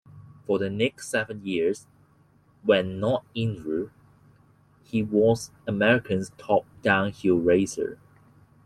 For the next seven years, when not injured, he was America's top downhill racer.